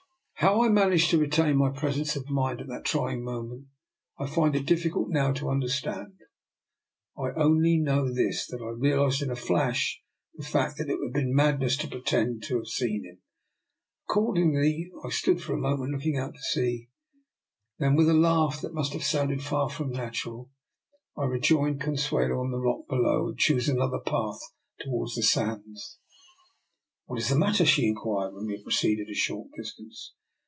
How I . man aged to retain my presence of mind at that trying moment, I find it difficult now to understand. I only know this, that I realized in a flash the fact that it would be madness to pretend to have seen him. Accordingly, I stood for a moment looking out to sea, and then with a laugh that must have sounded far from natural, I rejoined Consuelo on the rock below and chose another path towards the sands. " What is the matter? " she inquired DR. NIKOLA'S EXPERIMENT. 223 when we had proceeded a short distance.